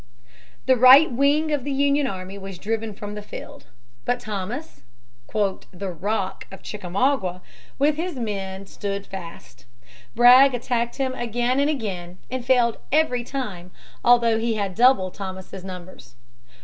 The right wing of the Union army was driven from the field. But Thomas, "the Rock of Chickamauga," with his men stood fast. Bragg attacked him again and again, and failed every time, although he had double Thomas's numbers.